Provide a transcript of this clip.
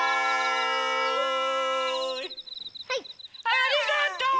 ありがとう！